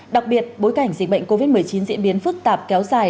đặc biệt bối cảnh dịch bệnh covid một mươi chín diễn biến phức tạp kéo dài